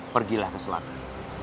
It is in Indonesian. pergilah ke selatan